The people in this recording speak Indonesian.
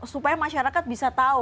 supaya masyarakat bisa tahu